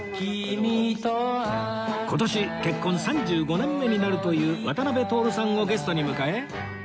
今年結婚３５年目になるという渡辺徹さんをゲストに迎え